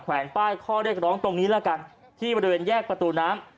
แวนป้ายข้อเรียกร้องตรงนี้ละกันที่บริเวณแยกประตูน้ำ